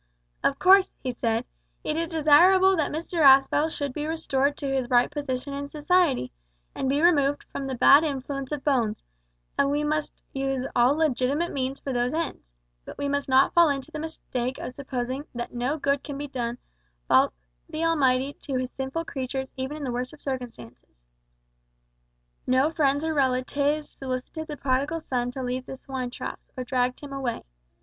"Of course," he said, "it is desirable that Mr Aspel should be restored to his right position in society, and be removed from the bad influence of Bones, and we must use all legitimate means for those ends; but we must not fall into the mistake of supposing that `no good can be done' by the Almighty to His sinful creatures even in the worst of circumstances. No relatives or friends solicited the Prodigal Son to leave the swine troughs, or dragged him away.